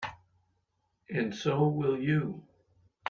And so will you.